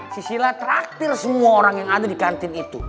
si sila traktir semua orang yang ada di kantin itu